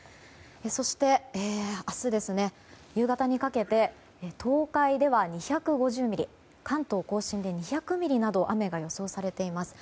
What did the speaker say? そして、明日夕方にかけて東海では２５０ミリ関東・甲信で２００ミリなど雨が予想されています。